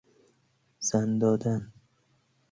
زن دادن